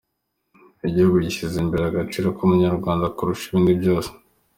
Igihugu gishyize imbere agaciro k’umunyarwanda kurusha ibindi byose.